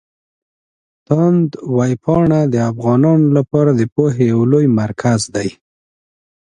تاند ویبپاڼه د افغانانو لپاره د پوهې يو لوی مرکز دی.